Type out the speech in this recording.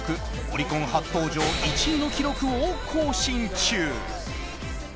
オリコン初登場１位の記録を更新中。